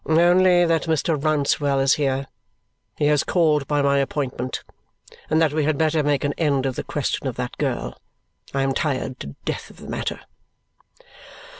"Only that Mr. Rouncewell is here (he has called by my appointment) and that we had better make an end of the question of that girl. I am tired to death of the matter."